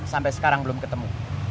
sampai sekarang belum ketemu